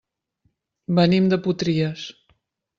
Venim de Potries.